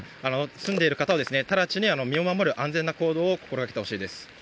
住んでいる方はただちに身を守る安全な行動を心がけてほしいです。